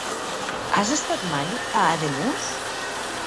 Has estat mai a Ademús?